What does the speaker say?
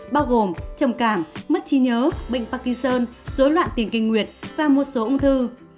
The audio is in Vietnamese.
bao gồm trầm cảng mất trí nhớ bệnh parkinson dối loạn tiền kinh nguyệt và một số ung thư